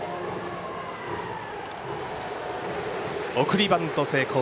送りバント成功。